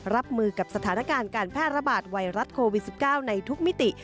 รับมือกับสถานการณ์การแพร่ระบาดไวรัสโควิด๑๙ในทุกมิติ